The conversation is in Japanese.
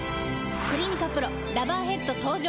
「クリニカＰＲＯラバーヘッド」登場！